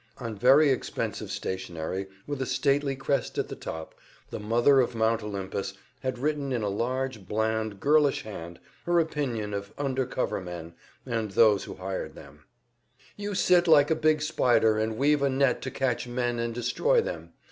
On very expensive stationery with a stately crest at the top, the mother of Mount Olympus had written in a large, bland, girlish hand her opinion of "under cover" men and those who hired them: "You sit like a big spider and weave a net to catch men and destroy them.